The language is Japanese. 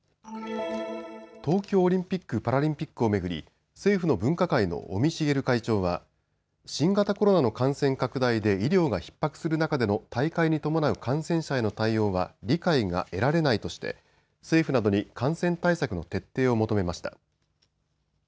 東京オリンピック・パラリンピックを巡り政府の分科会の尾身茂会長は新型コロナの感染拡大で医療がひっ迫する中での大会に伴う感染者への対応は理解が得られないとして政府などに感染対策の徹底を求めました。